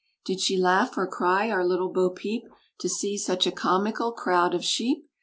Did she laugh or cry, our little Bo Peep, To see such a comical crowd of sheep?